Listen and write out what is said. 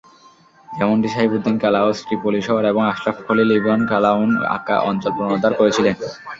যেমনটি সাইফুদ্দীন কালাউস ত্রিপোলী শহর এবং আশরাফ খলীল ইবন কালাউন আক্কা অঞ্চল পুনরুদ্ধার করেছিলেন।